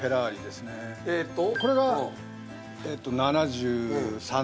これが７３年。